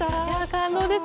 感動です。